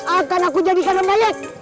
akan aku jadikan banyak